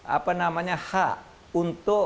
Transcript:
apa namanya hak untuk